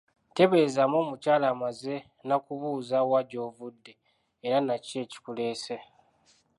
Teeberezaamu omukyala amaze na kubuuza wa gy'ovudde era nakiki ekikuleese.